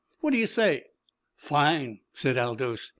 What do you say?" "Fine!" said Aldous.